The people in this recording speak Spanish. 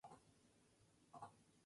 Es la cabecera del departamento Choya.